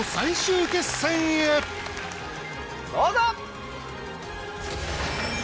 どうぞ！